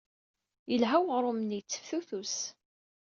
Yelha weɣṛum-nni yetteftutus.